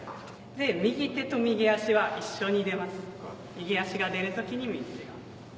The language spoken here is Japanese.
右足が出る時に右手が。